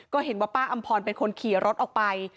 ก็เห็นว่าป้าอำพรเป็นคนขี่รถออกไป